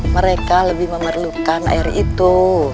mereka lebih memerlukan air itu